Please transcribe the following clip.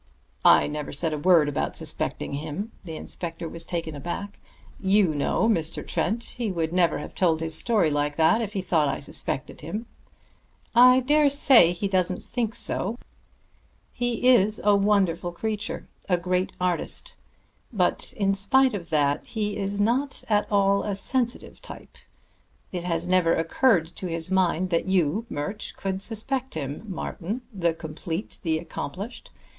"I never said a word about suspecting him." The inspector was taken aback. "You know, Mr. Trent, he would never have told his story like that if he thought I suspected him." "I dare say he doesn't think so. He is a wonderful creature, a great artist; but in spite of that he is not at all a sensitive type. It has never occurred to his mind that you, Murch, could suspect him, Martin, the complete, the accomplished.